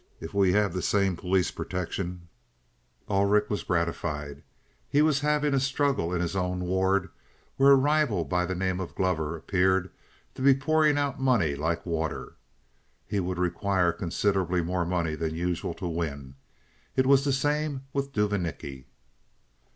If we have the same police protection—" Ungerich was gratified. He was having a struggle in his own ward, where a rival by the name of Glover appeared to be pouring out money like water. He would require considerably more money than usual to win. It was the same with Duvanicki.